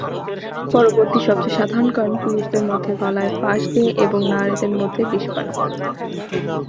পরবর্তী সবচেয়ে সাধারণ কারণ পুরুষের মধ্যে গলায় ফাঁস দিয়ে এবং নারীদের মধ্যে বিষ পান করা।